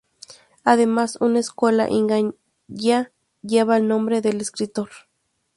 Además, una escuela en Ganyá lleva el nombre del escritor.